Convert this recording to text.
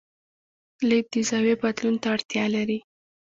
لید د زاویې بدلون ته اړتیا لري.